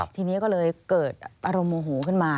ทีนี้ก็เลยเกิดอารมณ์โมโหขึ้นมา